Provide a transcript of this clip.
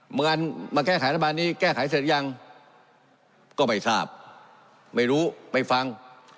งานมาแก้ไขรัฐบาลนี้แก้ไขเสร็จยังก็ไม่ทราบไม่รู้ไม่ฟัง